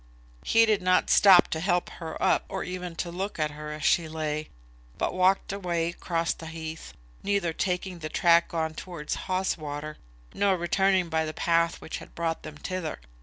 He did not stop to help her up, or even to look at her as she lay, but walked away across the heath, neither taking the track on towards Haweswater, nor returning by the path which had brought them thither.